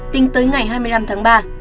tính tới ngày hai mươi năm tháng ba